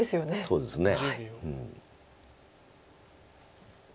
そうですね。